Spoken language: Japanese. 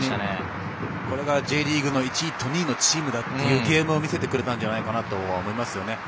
これがＪリーグの１位と２位のチームだというゲームを見せてくれたと思いますよね。